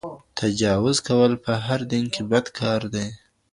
تجاوز کول په هر دین کي بد کار دی.